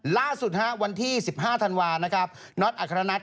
ล่าสุดวันที่๑๕ธนวาสนธอัครนัท